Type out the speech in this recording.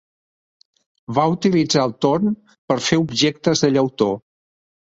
Va utilitzar el torn per fer objectes de llautó.